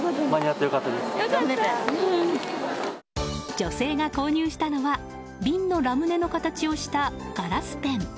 女性が購入したのは瓶のラムネの形をしたガラスペン。